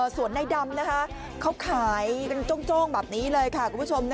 สวนในดำนะคะเขาขายจ้องแบบนี้เลยค่ะ